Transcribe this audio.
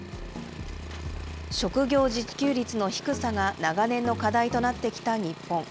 食料自給率の低さが長年の課題となってきた日本。